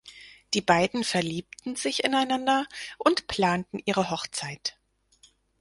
Die beiden verliebten sich ineinander und planten ihre Hochzeit.